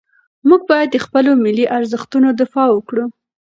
موږ باید د خپلو ملي ارزښتونو دفاع وکړو.